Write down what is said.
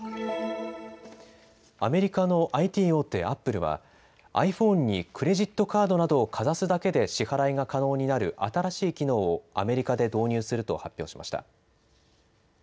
アメリカのＩＴ大手、アップルは、ｉＰｈｏｎｅにクレジットカードなどをかざすだけで支払いが可能になる新しい機能を、アメリカで導入すると発表しました。